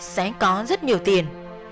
sẽ có rất nhiều tiền